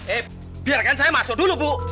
eh biarkan saya masuk dulu bu